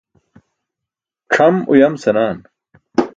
C̣ʰam uyam senaan.